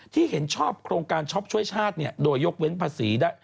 เห็นชอบโครงการช็อปช่วยชาติโดยยกเว้นภาษีได้